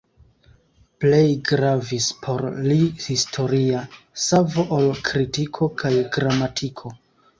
Plej gravis por li historia savo ol kritiko kaj gramatiko.